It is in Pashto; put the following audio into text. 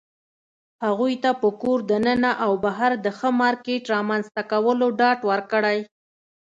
هغوى ته په کور دننه او بهر د ښه مارکيټ رامنځته کولو ډاډ ورکړى